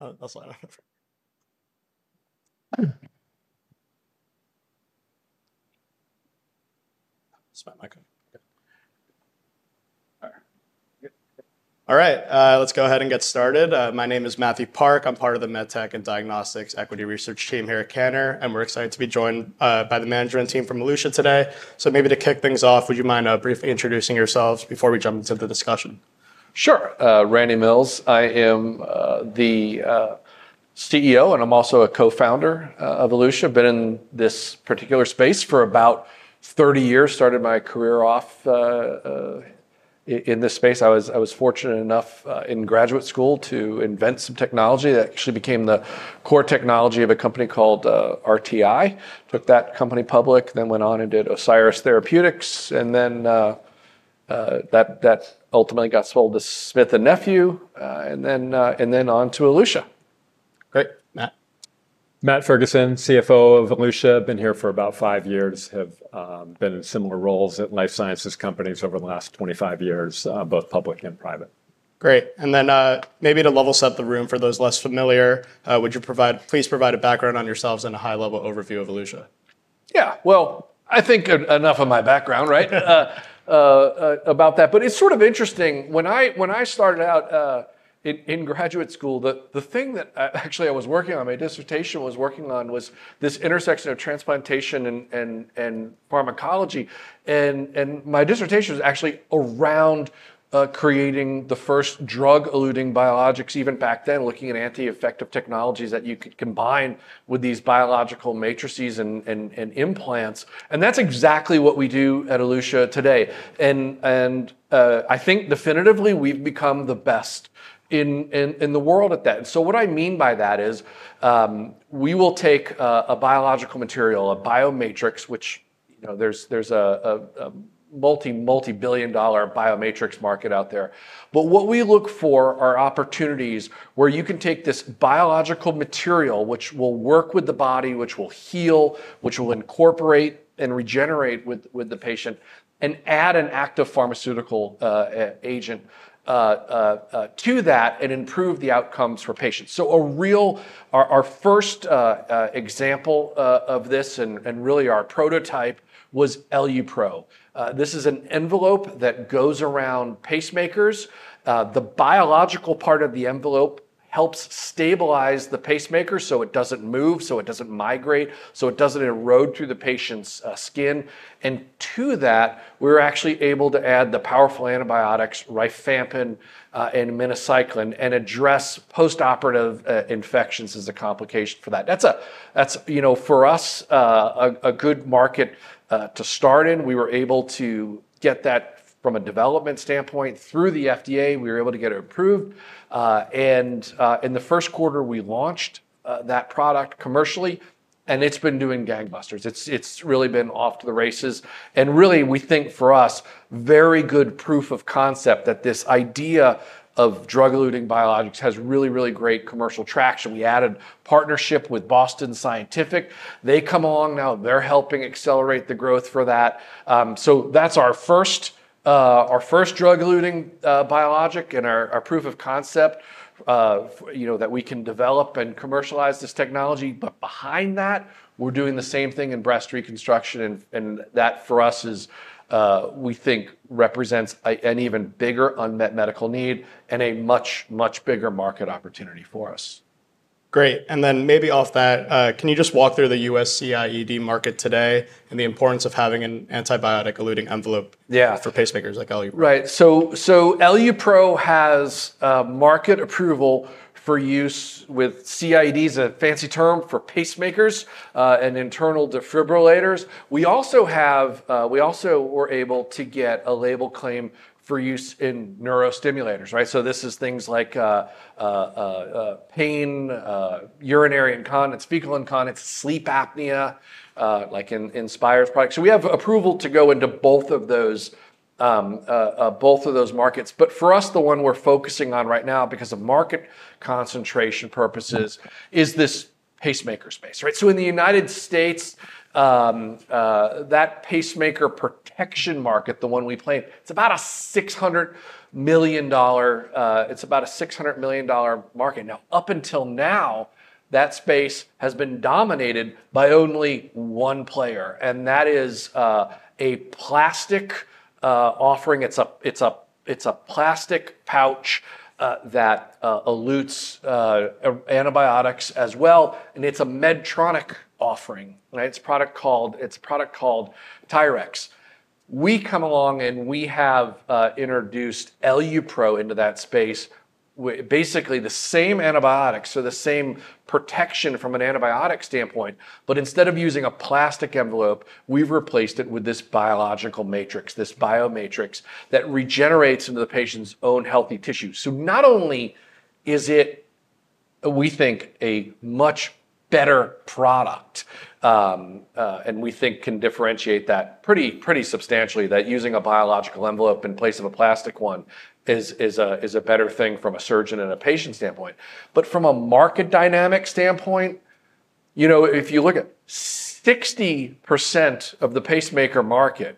All right. Let's go ahead and get started. My name is Matthew Park. I'm part of the MedTech and Diagnostics Equity Research team here at Canaccord, and we're excited to be joined by the management team from Elutia today. So maybe to kick things off, would you mind briefly introducing yourselves before we jump into the discussion? Sure. Randy Mills. I am the CEO, and I'm also a co-founder of Elutia. Been in this particular space for about 30 years. Started my career off in this space. I was fortunate enough in graduate school to invent some technology that actually became the core technology of a company called RTI. Took that company public, then went on and did Osiris Therapeutics, and then that ultimately got sold to Smith & Nephew, and then on to Elutia. Great. Matt? Matt Ferguson, CFO of Elutia. Been here for about five years. Have been in similar roles at life sciences companies over the last twenty-five years, both public and private. Great. And then, maybe to level set the room for those less familiar, would you provide, please provide a background on yourselves and a high-level overview of Elutia? Yeah, well, I think enough of my background, right? About that. But it's sort of interesting, when I started out in graduate school, the thing that actually I was working on, my dissertation was working on, was this intersection of transplantation and pharmacology. My dissertation was actually around creating the first drug-eluting biologics, even back then, looking at anti-infective technologies that you could combine with these biological matrices and implants. That's exactly what we do at Elutia today. I think definitively we've become the best in the world at that. So what I mean by that is, we will take a biological material, a biomatrix, which, you know, there's a multi-billion-dollar biomatrix market out there. But what we look for are opportunities where you can take this biological material, which will work with the body, which will heal, which will incorporate and regenerate with the patient, and add an active pharmaceutical agent to that, and improve the outcomes for patients. So our first example of this, and really our prototype was EluPro. This is an envelope that goes around pacemakers. The biological part of the envelope helps stabilize the pacemaker so it doesn't move, so it doesn't migrate, so it doesn't erode through the patient's skin. And to that, we're actually able to add the powerful antibiotics, rifampin and minocycline, and address postoperative infections as a complication for that. That's, you know, for us, a good market to start in. We were able to get that from a development standpoint through the FDA, we were able to get it approved, and in the first quarter, we launched that product commercially, and it's been doing gangbusters. It's really been off to the races, and really, we think for us, very good proof of concept that this idea of drug-eluting biologics has really great commercial traction. We added partnership with Boston Scientific. They come along now, they're helping accelerate the growth for that. So that's our first drug-eluting biologic and our proof of concept, you know, that we can develop and commercialize this technology. But behind that, we're doing the same thing in breast reconstruction. That, for us, is, we think, represents an even bigger unmet medical need and a much, much bigger market opportunity for us. Great. And then maybe off that, can you just walk through the U.S. CIED market today and the importance of having an antibiotic-eluting envelope? Yeah... for pacemakers like EluPro? Right. So EluPro has market approval for use with CIEDs, a fancy term for pacemakers and internal defibrillators. We also were able to get a label claim for use in neurostimulators, right? So this is things like pain, urinary incontinence, fecal incontinence, sleep apnea, like in Inspire products. So we have approval to go into both of those markets. But for us, the one we're focusing on right now, because of market concentration purposes, is this pacemaker space, right? So in the United States, that pacemaker protection market, the one we play, it's about a $600 million market. Now, up until now, that space has been dominated by only one player, and that is a plastic offering. It's a plastic pouch that elutes antibiotics as well, and it's a Medtronic offering, right? It's a product called Tyrx. We come along and we have introduced EluPro into that space, basically, the same antibiotics, so the same protection from an antibiotic standpoint, but instead of using a plastic envelope, we've replaced it with this biological matrix, this biomatrix, that regenerates into the patient's own healthy tissue. So not only is it, we think, a much better product, and we think can differentiate that pretty substantially, that using a biological envelope in place of a plastic one is a better thing from a surgeon and a patient standpoint. But from a market dynamic standpoint... You know, if you look at 60% of the pacemaker market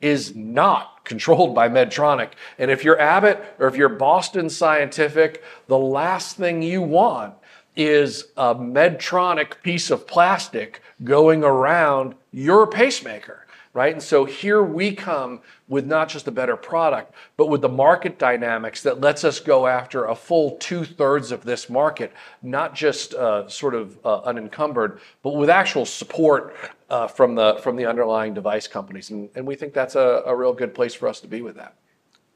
is not controlled by Medtronic, and if you're Abbott or if you're Boston Scientific, the last thing you want is a Medtronic piece of plastic going around your pacemaker, right? And so here we come with not just a better product, but with the market dynamics that lets us go after a full two-thirds of this market, not just, sort of, unencumbered, but with actual support from the underlying device companies. And we think that's a real good place for us to be with that.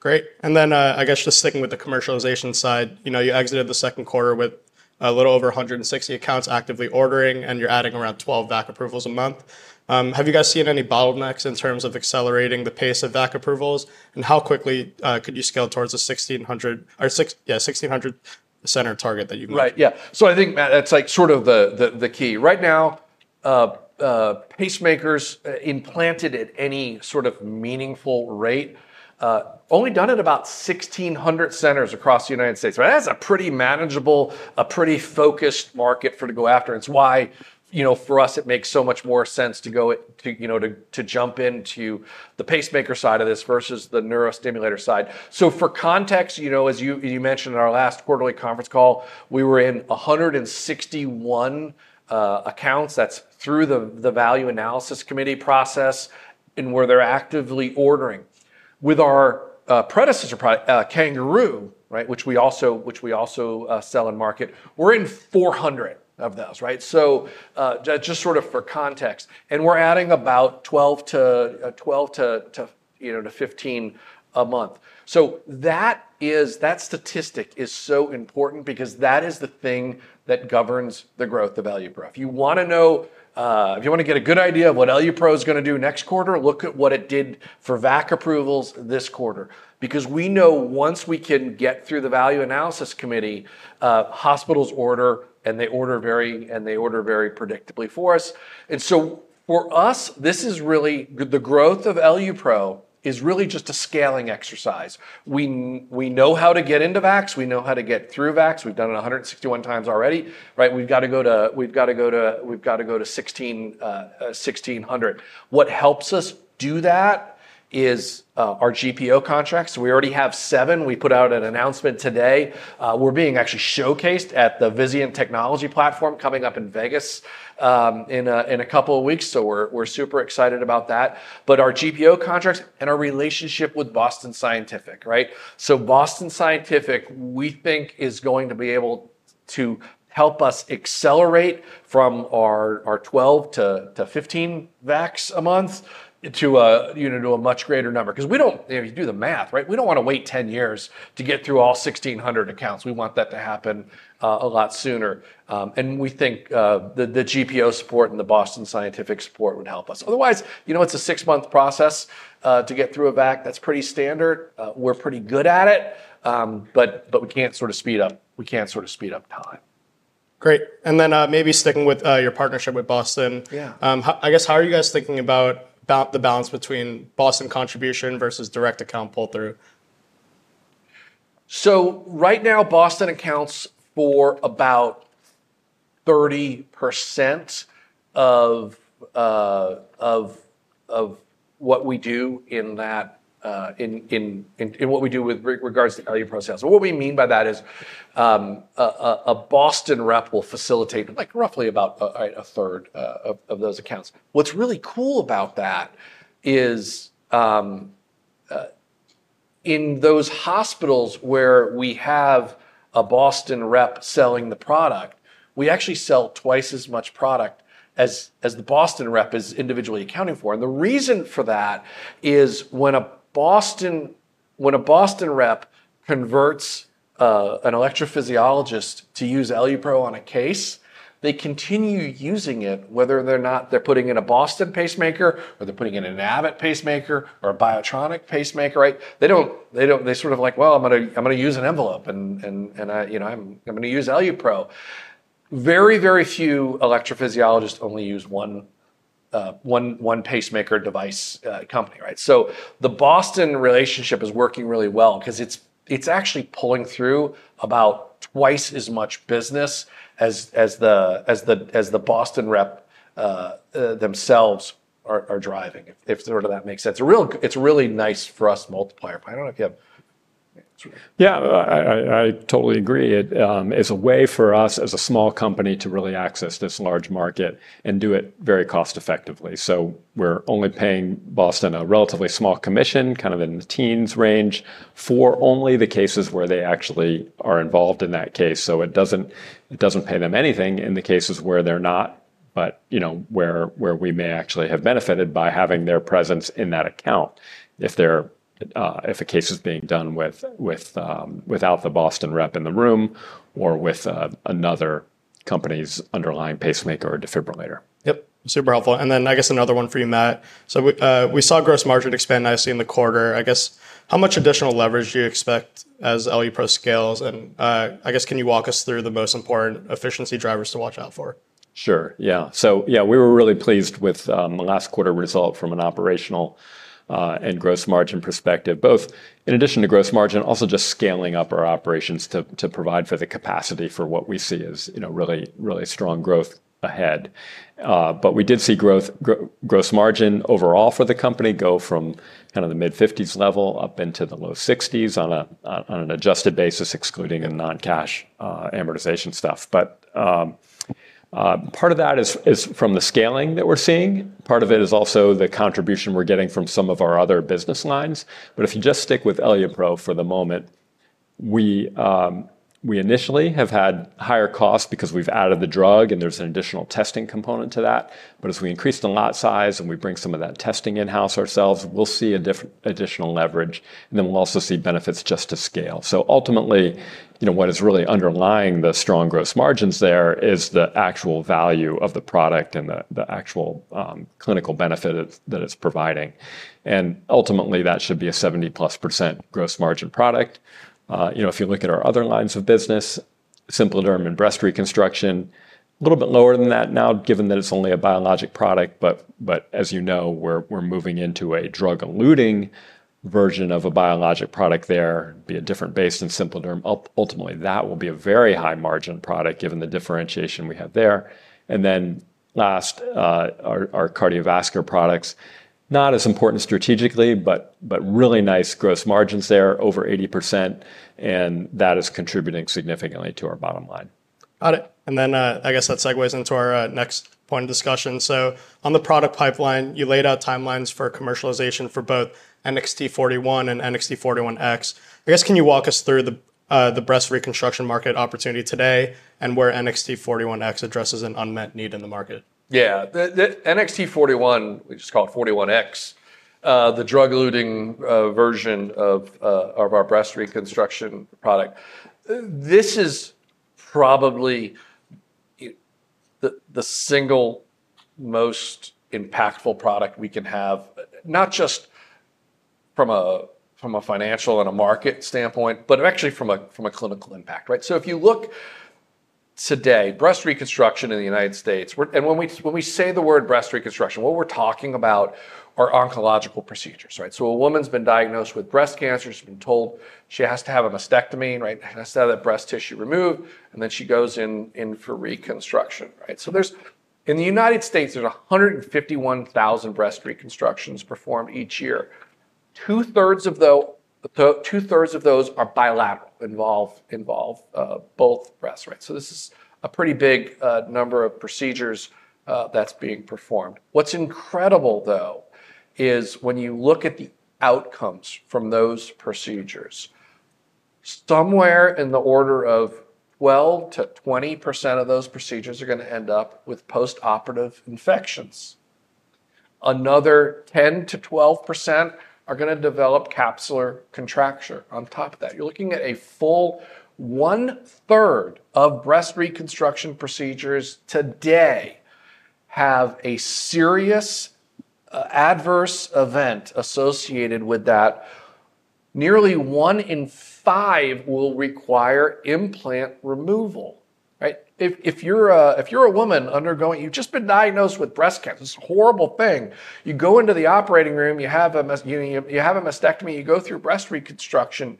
Great. And then, I guess just sticking with the commercialization side, you know, you exited the second quarter with a little over 160 accounts actively ordering, and you're adding around 12 VAC approvals a month. Have you guys seen any bottlenecks in terms of accelerating the pace of VAC approvals? And how quickly could you scale towards the 1,600 center target that you- Right. Yeah. So I think, Matt, that's like sort of the key. Right now, pacemakers implanted at any sort of meaningful rate only done at about 1,600 centers across the United States. That's a pretty manageable, a pretty focused market to go after. It's why, you know, for us, it makes so much more sense to go, you know, to jump into the pacemaker side of this versus the neurostimulator side. So for context, you know, as you mentioned in our last quarterly conference call, we were in 161 accounts. That's through the value analysis committee process, and where they're actively ordering. With our predecessor CanGaroo, right, which we also sell and market, we're in 400 of those, right? So, just sort of for context, and we're adding about twelve to fifteen a month. So that is, that statistic is so important because that is the thing that governs the growth of EluPro. If you want to know, if you want to get a good idea of what EluPro is going to do next quarter, look at what it did for VAC approvals this quarter, because we know once we can get through the value analysis committee, hospitals order, and they order very predictably for us. And so for us, this is really the growth of EluPro is really just a scaling exercise. We know how to get into VACs. We know how to get through VACs. We've done it a hundred and sixty-one times already, right? We've got to go to sixteen hundred. What helps us do that is our GPO contracts. We already have 7. We put out an announcement today. We're being actually showcased at the Vizient Technology Platform coming up in Vegas in a couple of weeks, so we're super excited about that. But our GPO contracts and our relationship with Boston Scientific, right? So Boston Scientific, we think, is going to be able to help us accelerate from our 12 to 15 VACs a month to a you know to a much greater number. 'Cause if you do the math, right, we don't want to wait 10 years to get through all 1,600 accounts. We want that to happen a lot sooner. And we think the GPO support and the Boston Scientific support would help us. Otherwise, you know, it's a six-month process to get through a VAC. That's pretty standard. We're pretty good at it, but we can't sort of speed up time. Great. And then, maybe sticking with your partnership with Boston Scientific. Yeah. I guess, how are you guys thinking about the balance between Boston contribution versus direct account pull-through? So right now, Boston accounts for about 30% of what we do in that what we do with regards to EluPro sales. So what we mean by that is, a Boston rep will facilitate, like, roughly about a third of those accounts. What's really cool about that is, in those hospitals where we have a Boston rep selling the product, we actually sell twice as much product as the Boston rep is individually accounting for. And the reason for that is when a Boston rep converts an electrophysiologist to use EluPro on a case, they continue using it, whether they're not. They're putting in a Boston pacemaker, or they're putting in an Abbott pacemaker or a Biotronik pacemaker, right? They don't. They're sort of like, well, I'm gonna use an envelope and, you know, I'm gonna use EluPro. Very few electrophysiologists only use one pacemaker device company, right? So the Boston relationship is working really well because it's actually pulling through about twice as much business as the Boston rep themselves are driving, if that makes sense. It's a really nice for us multiplier. I don't know if you have- Yeah, I totally agree. It is a way for us as a small company to really access this large market and do it very cost-effectively. So we're only paying Boston a relatively small commission, kind of in the teens range, for only the cases where they actually are involved in that case. So it doesn't pay them anything in the cases where they're not, but you know, where we may actually have benefited by having their presence in that account. If a case is being done with, without the Boston rep in the room or with another companies' underlying pacemaker or defibrillator. Yep, super helpful, and then I guess another one for you, Matt, so we saw gross margin expand nicely in the quarter. I guess, how much additional leverage do you expect as EluPro scales, and I guess, can you walk us through the most important efficiency drivers to watch out for? Sure, yeah. So yeah, we were really pleased with the last quarter result from an operational and gross margin perspective, both in addition to gross margin, also just scaling up our operations to provide for the capacity for what we see as, you know, really, really strong growth ahead. But we did see gross margin overall for the company go from kind of the mid-50s% level up into the low 60s% on an adjusted basis, excluding the non-cash amortization stuff. But part of that is from the scaling that we're seeing. Part of it is also the contribution we're getting from some of our other business lines. But if you just stick with EluPro for the moment, we initially have had higher costs because we've added the drug, and there's an additional testing component to that. But as we increase the lot size and we bring some of that testing in-house ourselves, we'll see additional leverage, and then we'll also see benefits just to scale. So ultimately, you know, what is really underlying the strong gross margins there is the actual value of the product and the actual clinical benefit that it's providing. And ultimately, that should be a 70-plus% gross margin product. You know, if you look at our other lines of business, SimpliDerm and breast reconstruction, a little bit lower than that now, given that it's only a biologic product, but as you know, we're moving into a drug-eluting version of a biologic product there, be a different base than SimpliDerm. Ultimately, that will be a very high-margin product, given the differentiation we have there. And then last, our cardiovascular products, not as important strategically, but really nice gross margins there, over 80%, and that is contributing significantly to our bottom line. Got it. And then, I guess that segues into our next point of discussion. So on the product pipeline, you laid out timelines for commercialization for both NXT-41 and NXT-41X. I guess, can you walk us through the breast reconstruction market opportunity today and where NXT-41X addresses an unmet need in the market? Yeah. The NXT-41, we just call it 41X, the drug-eluting version of our breast reconstruction product. This is probably the single most impactful product we can have, not just from a financial and a market standpoint, but actually from a clinical impact, right? So if you look today, breast reconstruction in the United States, and when we say the word breast reconstruction, what we're talking about are oncological procedures, right? So a woman's been diagnosed with breast cancer. She's been told she has to have a mastectomy, right? Has to have that breast tissue removed, and then she goes in for reconstruction, right? So there's. In the United States, there's 151,000 breast reconstructions performed each year. Two-thirds of those are bilateral, involve both breasts, right? So this is a pretty big number of procedures that's being performed. What's incredible, though, is when you look at the outcomes from those procedures, somewhere in the order of 12%-20% of those procedures are gonna end up with post-operative infections. Another 10%-12% are gonna develop capsular contracture on top of that. You're looking at a full one-third of breast reconstruction procedures today have a serious adverse event associated with that. Nearly one in five will require implant removal, right? If you're a woman undergoing you've just been diagnosed with breast cancer. It's a horrible thing. You go into the operating room, you have a mastectomy, you go through breast reconstruction,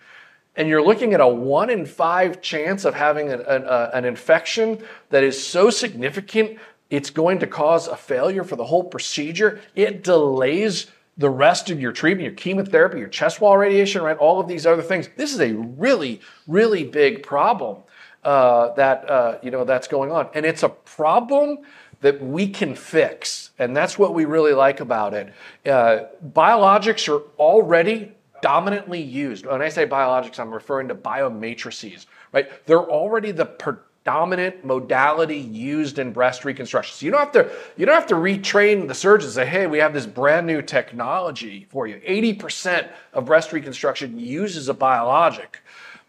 and you're looking at a one-in-five chance of having an infection that is so significant it's going to cause a failure for the whole procedure. It delays the rest of your treatment, your chemotherapy, your chest wall radiation, right? All of these other things. This is a really, really big problem, you know, that's going on, and it's a problem that we can fix, and that's what we really like about it. Biologics are already dominantly used. When I say biologics, I'm referring to biomatrices, right? They're already the predominant modality used in breast reconstruction. So you don't have to, you don't have to retrain the surgeon and say, "Hey, we have this brand-new technology for you." 80% of breast reconstruction uses a biologic,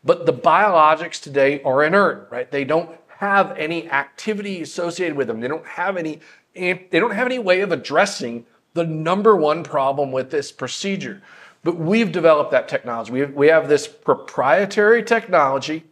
but the biologics today are inert, right? They don't have any activity associated with them. They don't have any way of addressing the number one problem with this procedure. But we've developed that technology. We have this proprietary technology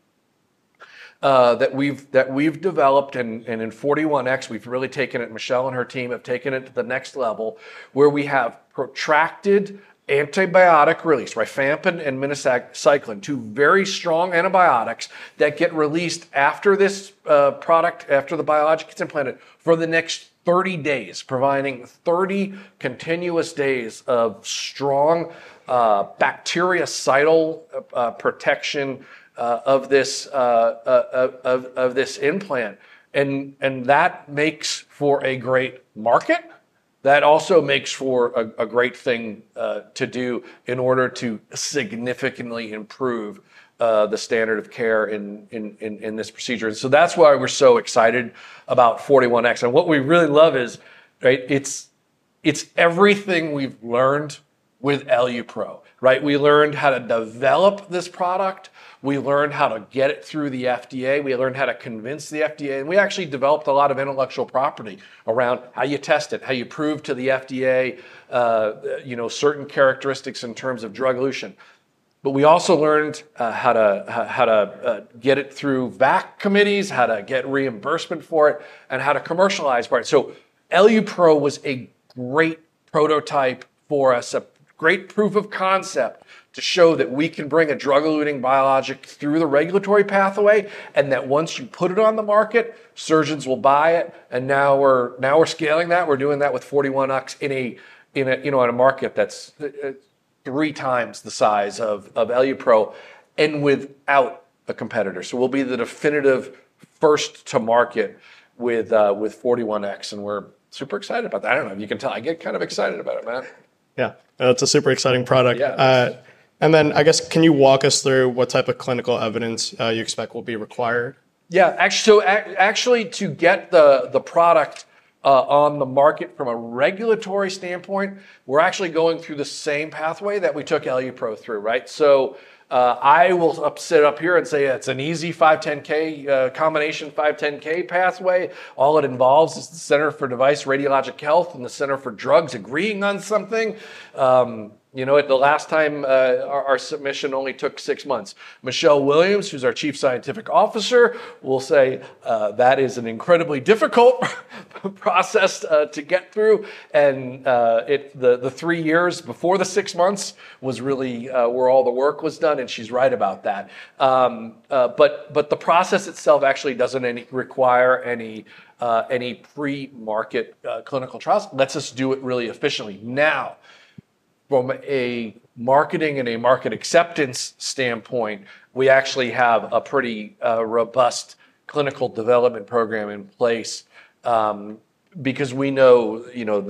that we've developed, and in NXT-41X, we've really taken it. Michelle and her team have taken it to the next level, where we have protracted antibiotic release, rifampin and minocycline, two very strong antibiotics that get released after this product, after the biologic is implanted, for the next thirty days, providing thirty continuous days of strong bactericidal protection of this implant. And that makes for a great market. That also makes for a great thing to do in order to significantly improve the standard of care in this procedure. So that's why we're so excited about NXT-41X. And what we really love is, right, it's. It's everything we've learned with EluPro, right? We learned how to develop this product, we learned how to get it through the FDA, we learned how to convince the FDA, and we actually developed a lot of intellectual property around how you test it, how you prove to the FDA, you know, certain characteristics in terms of drug elution. But we also learned how to get it through VAC committees, how to get reimbursement for it, and how to commercialize it, right? So EluPro was a great prototype for us, a great proof of concept to show that we can bring a drug-eluting biologic through the regulatory pathway, and that once you put it on the market, surgeons will buy it. And now we're scaling that. We're doing that with 41X in a, you know, in a market that's three times the size of EluPro and without a competitor. So we'll be the definitive first to market with 41X, and we're super excited about that. I don't know if you can tell. I get kind of excited about it, Matt. Yeah. It's a super exciting product. Yeah. And then I guess, can you walk us through what type of clinical evidence you expect will be required? Yeah. Actually, to get the product on the market from a regulatory standpoint, we're actually going through the same pathway that we took EluPro through, right? So, I will sit up here and say it's an easy 510(k), combination 510(k) pathway. All it involves is the Center for Devices and Radiological Health and the Center for Drug Evaluation and Research agreeing on something. You know, at the last time, our submission only took six months. Michelle Williams, who's our Chief Scientific Officer, will say, "That is an incredibly difficult process to get through, and it- the three years before the six months was really where all the work was done," and she's right about that. But the process itself actually doesn't require any pre-market clinical trials. Let us do it really efficiently. Now, from a marketing and a market acceptance standpoint, we actually have a pretty robust clinical development program in place, because we know, you know,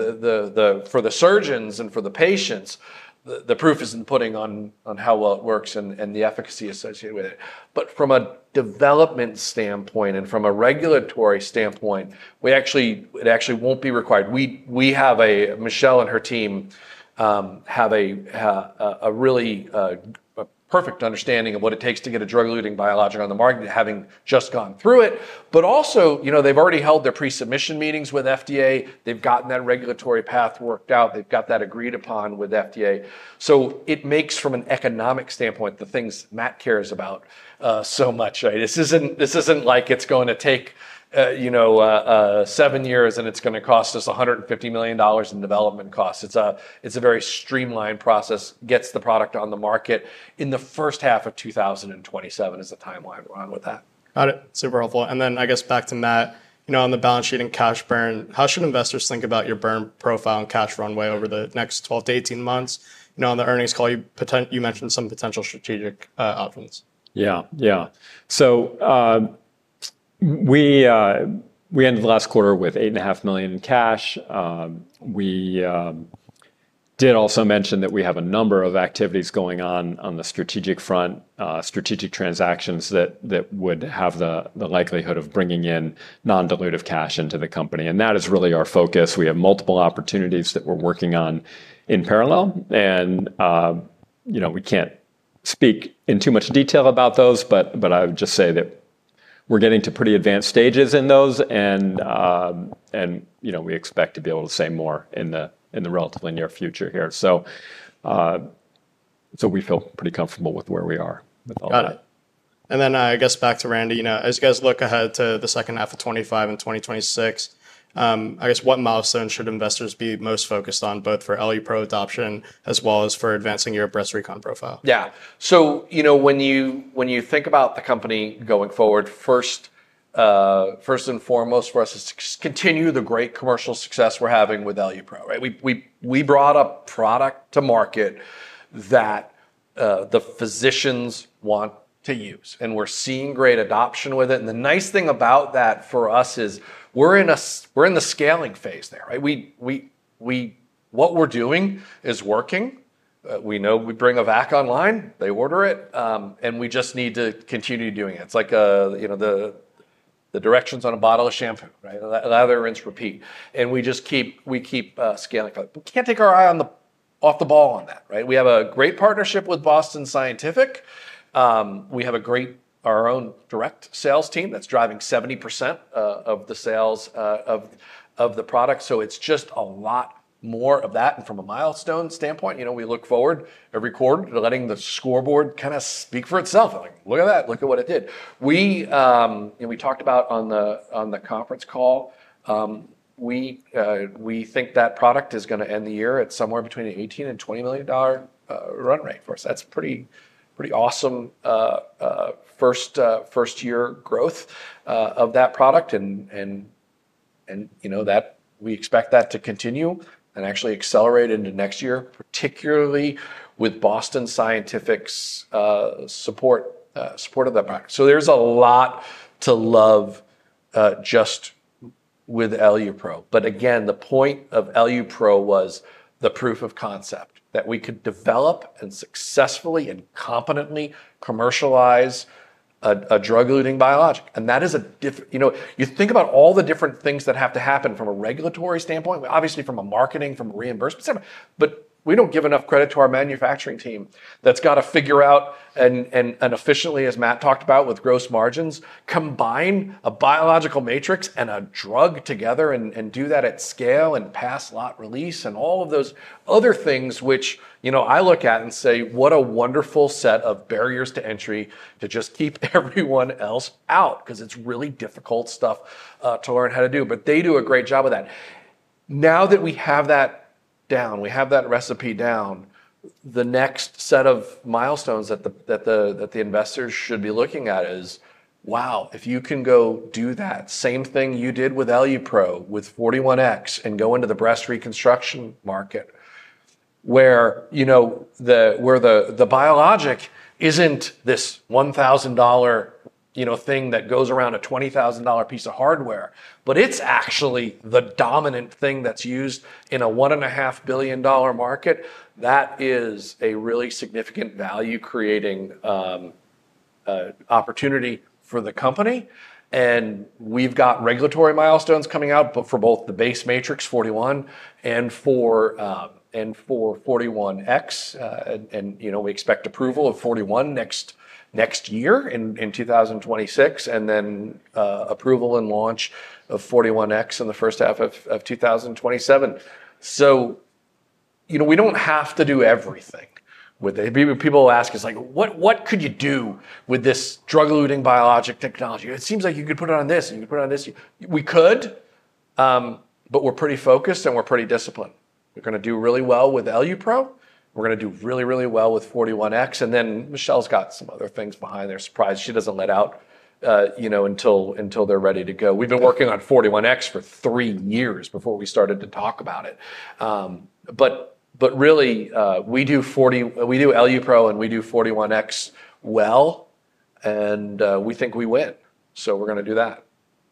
for the surgeons and for the patients, the proof is in putting on how well it works and the efficacy associated with it. But from a development standpoint and from a regulatory standpoint, we actually, it actually won't be required. We have a Michelle and her team have a really perfect understanding of what it takes to get a drug-eluting biologic on the market, having just gone through it. But also, you know, they've already held their pre-submission meetings with FDA. They've gotten that regulatory path worked out. They've got that agreed upon with FDA. So it makes, from an economic standpoint, the things Matt cares about so much, right? This isn't like it's going to take, you know, seven years, and it's gonna cost us $150 million in development costs. It's a very streamlined process, gets the product on the market in the first half of 2027, is the timeline we're on with that. Got it. Super helpful. And then I guess back to Matt, you know, on the balance sheet and cash burn, how should investors think about your burn profile and cash runway over the next twelve to eighteen months? You know, on the earnings call, you mentioned some potential strategic options. Yeah, yeah. So, we ended the last quarter with $8.5 million in cash. We did also mention that we have a number of activities going on the strategic front, strategic transactions that would have the likelihood of bringing in non-dilutive cash into the company, and that is really our focus. We have multiple opportunities that we're working on in parallel, and, you know, we can't speak in too much detail about those, but I would just say that we're getting to pretty advanced stages in those, and, you know, we expect to be able to say more in the relatively near future here. So, we feel pretty comfortable with where we are with all that. Got it. And then, I guess, back to Randy, you know, as you guys look ahead to the second half of 2025 and 2026, I guess, what milestone should investors be most focused on, both for EluPro adoption as well as for advancing your breast recon profile? Yeah. So, you know, when you think about the company going forward, first and foremost for us is to continue the great commercial success we're having with EluPro, right? We brought a product to market that the physicians want to use, and we're seeing great adoption with it. And the nice thing about that for us is, we're in the scaling phase now, right? What we're doing is working. We know we bring a VAC online, they order it, and we just need to continue doing it. It's like, you know, the directions on a bottle of shampoo, right? Lather, rinse, repeat. And we just keep scaling. We can't take our eye off the ball on that, right? We have a great partnership with Boston Scientific. We have a great, our own direct sales team that's driving 70% of the sales of the product, so it's just a lot more of that. And from a milestone standpoint, you know, we look forward every quarter to letting the scoreboard kind of speak for itself. Like: Look at that, look at what it did. We, you know, we talked about on the conference call, we think that product is gonna end the year at somewhere between $18 million and $20 million run rate for us. That's pretty, pretty awesome, first-year growth of that product, and, you know, that we expect that to continue and actually accelerate into next year, particularly with Boston Scientific's support of that product. So there's a lot to love just with EluPro. But again, the point of EluPro was the proof of concept, that we could develop and successfully and competently commercialize a drug-eluting biologic. And that is different. You know, you think about all the different things that have to happen from a regulatory standpoint, obviously from a marketing, from a reimbursement standpoint, but we don't give enough credit to our manufacturing team that's gotta figure out and efficiently, as. Matt talked about with gross margins, combine a biological matrix and a drug together and do that at scale and pass lot release and all of those other things which, you know, I look at and say, what a wonderful set of barriers to entry to just keep everyone else out, 'cause it's really difficult stuff to learn how to do. But they do a great job of that. Now that we have that down, we have that recipe down, the next set of milestones that the investors should be looking at is, wow, if you can go do that same thing you did with EluPro, with 41X, and go into the breast reconstruction market, where, you know, the biologic isn't this $1,000, you know, thing that goes around a $20,000 piece of hardware, but it's actually the dominant thing that's used in a $1.5 billion market, that is a really significant value-creating opportunity for the company. And we've got regulatory milestones coming out, but for both the base matrix, 41, and for 41X. And, you know, we expect approval of 41 next year, in two thousand and twenty-six, and then approval and launch of 41X in the first half of two thousand and twenty-seven. So, you know, we don't have to do everything with it. People will ask us, like: What could you do with this drug-eluting biologic technology? It seems like you could put it on this, and you could put it on this. We could, but we're pretty focused and we're pretty disciplined. We're gonna do really well with EluPro. We're gonna do really well with 41X, and then Michelle's got some other things behind there, surprises she doesn't let out, you know, until they're ready to go. We've been working on 41X for three years before we started to talk about it. Really, we do EluPro, and we do 41X well, and we think we win, so we're gonna do that.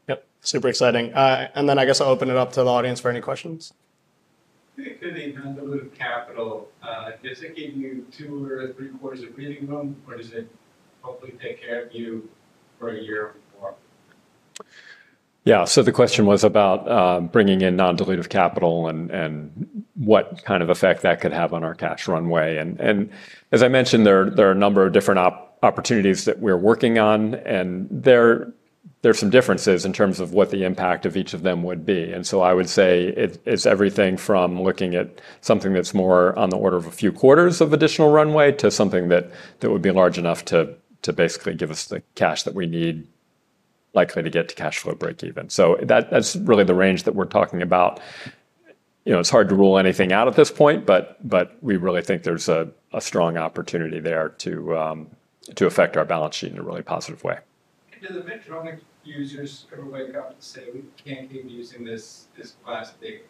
Yep. Super exciting. And then I guess I'll open it up to the audience for any questions. For the non-dilutive capital, does it give you two or three quarters of breathing room, or does it hopefully take care of you for a year or more? Yeah, so the question was about bringing in non-dilutive capital and what kind of effect that could have on our cash runway. And as I mentioned, there are a number of different opportunities that we're working on, and there are some differences in terms of what the impact of each of them would be. And so I would say it's everything from looking at something that's more on the order of a few quarters of additional runway, to something that would be large enough to basically give us the cash that we need, likely to get to cash flow breakeven. So that's really the range that we're talking about. You know, it's hard to rule anything out at this point, but we really think there's a strong opportunity there to to affect our balance sheet in a really positive way. Do the Medtronic users ever wake up and say, "We can't keep using this, this plastic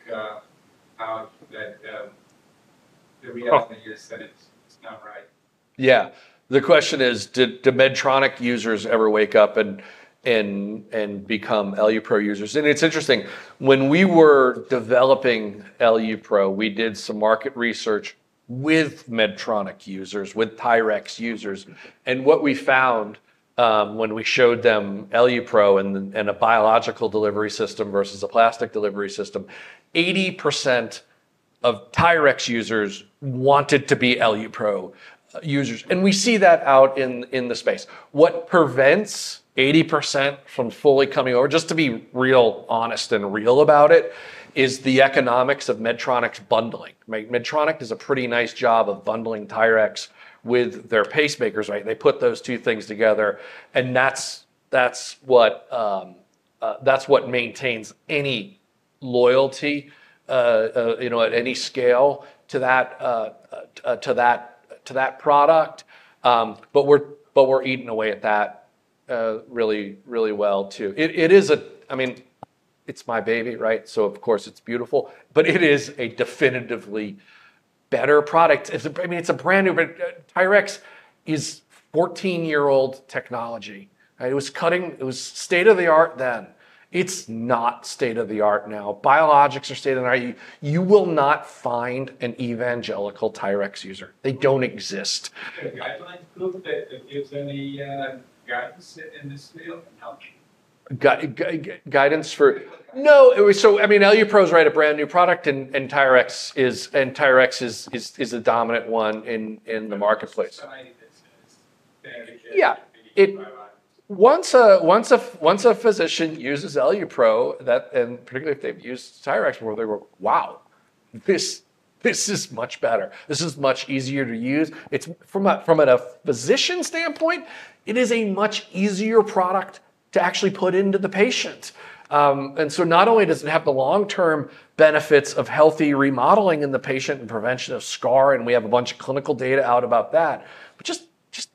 out..." that the reaction is that it's not right? Yeah. The question is, do Medtronic users ever wake up and become EluPro users? And it's interesting, when we were developing EluPro, we did some market research with Medtronic users, with Tyrx users. And what we found, when we showed them EluPro and a biological delivery system versus a plastic delivery system, 80% of Tyrx users wanted to be EluPro users. And we see that out in the space. What prevents 80% from fully coming over, just to be real honest and real about it, is the economics of Medtronic's bundling. Medtronic does a pretty nice job of bundling Tyrx with their pacemakers, right? They put those two things together, and that's what maintains any loyalty, you know, at any scale to that product. But we're eating away at that really, really well, too. It is a - I mean, it's my baby, right? So of course it's beautiful, but it is a definitively better product. It's a - I mean, it's a brand-new, but Tyrx is 14-year-old technology. It was state-of-the-art then. It's not state-of-the-art now. Biologics are state-of-the-art. You will not find an evangelical Tyrx user. They don't exist. Are guidelines approved that gives any guidance in this field and help? So, I mean, EluPro, right, a brand-new product, and Tyrx is the dominant one in the marketplace. Somebody that says, "Hey, kid- Yeah Once a physician uses EluPro, that, and particularly if they've used Tyrx before, they go, "Wow, this is much better. This is much easier to use." It's from a physician's standpoint, it is a much easier product to actually put into the patient. And so not only does it have the long-term benefits of healthy remodeling in the patient and prevention of scar, and we have a bunch of clinical data out about that, but just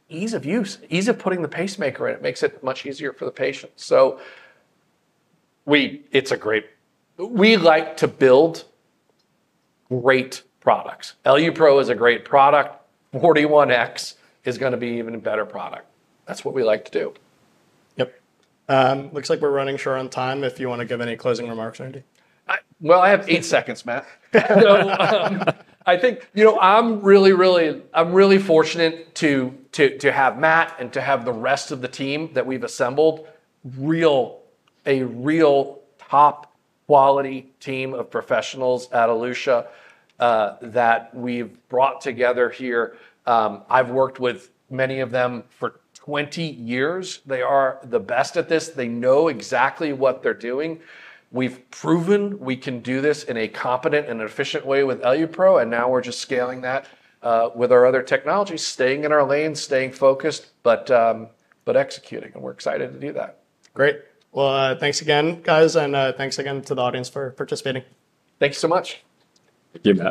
ease of use, ease of putting the pacemaker in, it makes it much easier for the patient. So it's a great... We like to build great products. EluPro is a great product. 41X is gonna be an even better product. That's what we like to do. Yep. Looks like we're running short on time, if you wanna give any closing remarks, Randy? Well, I have eight seconds, Matt. So, I think, you know, I'm really fortunate to have Matt and to have the rest of the team that we've assembled, a real top-quality team of professionals at Elutia, that we've brought together here. I've worked with many of them for 20 years. They are the best at this. They know exactly what they're doing. We've proven we can do this in a competent and efficient way with EluPro, and now we're just scaling that with our other technologies, staying in our lane, staying focused, but executing, and we're excited to do that. Great. Well, thanks again, guys, and thanks again to the audience for participating. Thank you so much. Thank you, Matt.